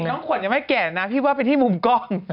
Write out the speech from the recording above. ขวัญยังไม่แก่นะพี่ว่าไปที่มุมกล้อง